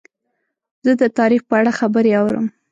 زه د تاریخ په اړه خبرې اورم.